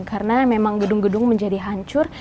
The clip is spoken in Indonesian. karena memang gedung gedung menjadi hancur